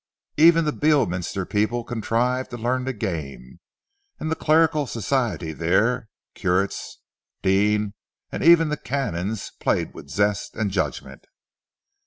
Even the Beorminster people contrived to learn the game, and the clerical society there curates, dean, and even the canons played with zest and judgment.